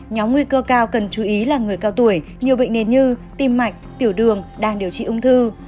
nhóm nguy cơ cao cần chú ý là người cao tuổi nhiều bệnh nền như tim mạch tiểu đường đang điều trị ung thư